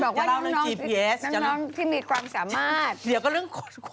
นี่เกิดสมัยทีวีกด